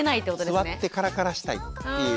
座ってカラカラしたいっていう。